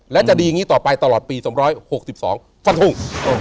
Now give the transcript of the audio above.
และจะดีอย่างนี้ต่อไปตลอดปี๒๖๒ฟันถูก